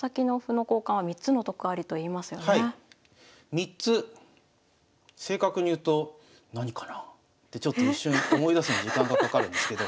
３つ正確に言うと何かなあってちょっと一瞬思い出すのに時間がかかるんですけど。